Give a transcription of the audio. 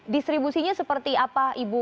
distribusinya seperti apa ibu